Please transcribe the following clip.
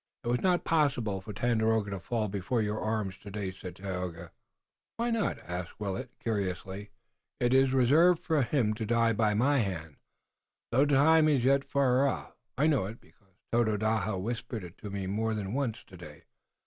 "It was not possible for Tandakora to fall before your arms today," said Tayoga. "Why not?" asked Willet, curiously. "It is reserved for him to die by my hand, though the time is yet far off. I know it, because Tododaho whispered it to me more than once today.